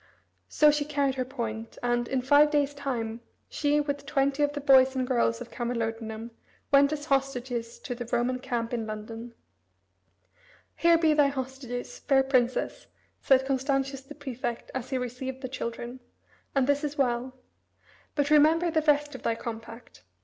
So she carried her point, and, in five days' time, she, with twenty of the boys and girls of Camalodunum, went as hostages to the Roman camp in London. "Here be thy hostages, fair Princess," said Constantius the prefect as he received the children; "and this is well. But remember the rest of thy compact.